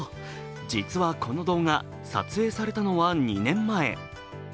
実はこの動画、撮影されたのは２年前。